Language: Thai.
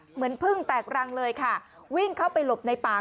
เหมือนพึ่งแตกรังเลยค่ะวิ่งเข้าไปหลบในป่า